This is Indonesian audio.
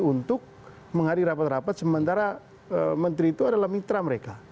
untuk menghadiri rapat rapat sementara menteri itu adalah mitra mereka